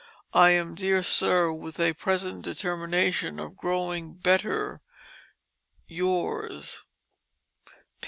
I am, dear Sir, with a present determination of growing better yours.